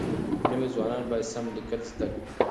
نوي ځوانان بايد سم ليکل زده کړي.